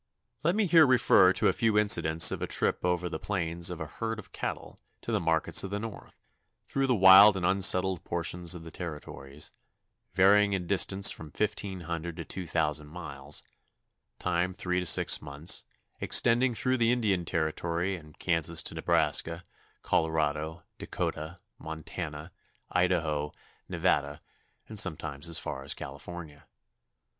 Let me here refer to a few incidents of a trip over the plains of a herd of cattle to the markets of the North, through the wild and unsettled portions of the Territories, varying in distance from fifteen hundred to two thousand miles, time three to six months, extending through the Indian Territory and Kansas to Nebraska, Colorado, Dakota, Montana, Idaho, Nevada, and sometimes as far as California.